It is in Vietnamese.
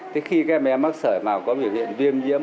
thế khi các mẹ mắc sởi mà có biểu hiện viêm nhiễm